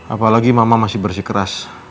apalagi mama masih bersikeras